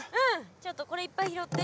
ちょっとこれいっぱい拾って。